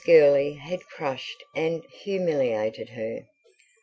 Gurley had crushed and humiliated her.